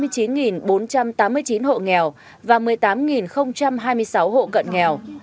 trong vùng đồng bào dân tộc thiểu số có hai mươi chín bốn trăm tám mươi chín hộ nghèo và một mươi tám hai mươi sáu hộ cận nghèo